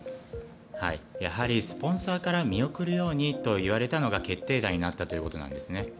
やはり、スポンサーから見送るようにと言われたのが決定打になったということなんですね。